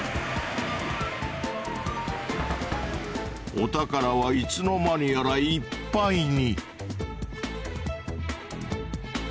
お宝はいつの間にやらいっぱいに。